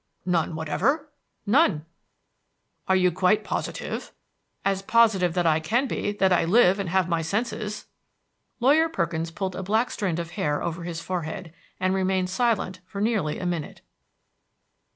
"None whatever?" "None." "Are you quite positive?" "As positive as I can be that I live and have my senses." Lawyer Perkins pulled a black strand of hair over his forehead, and remained silent for nearly a minute.